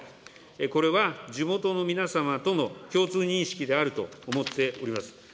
これは地元の皆様との共通認識であると思っております。